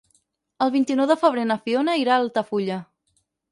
El vint-i-nou de febrer na Fiona irà a Altafulla.